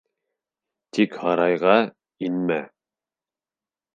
Тик һарайға инмә!